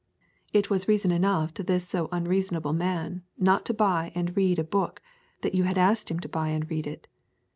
It was reason enough to this so unreasonable man not to buy and read a book that you had asked him to buy and read it.